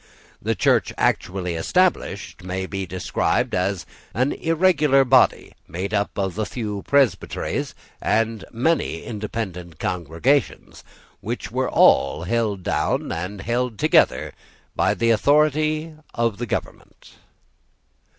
The Church actually established may be described as an irregular body made up of a few Presbyteries and many Independent congregations, which were all held down and held together by the authority of the government.